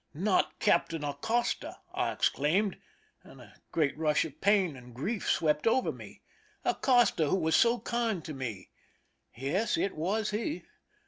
'^^ "Not Captain Acosta !" I exclaimed, and a great rush of pain and grief swept over me. Acosta, who was so kind to me ! Yes, it was he.